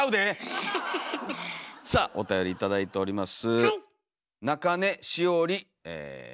さあおたより頂いております。